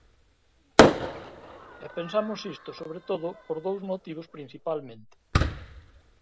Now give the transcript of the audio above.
E pensamos isto, sobre todo, por dous motivos principalmente.